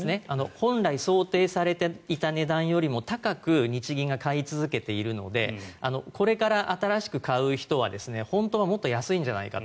本来想定されていた値段よりも高く日銀が買い続けているのでこれから新しく買う人は本当はもっと安いんじゃないかと。